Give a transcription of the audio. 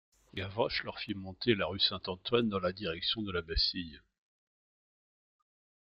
Gavroche leur fit monter la rue Saint-Antoine dans la direction de la Bastille.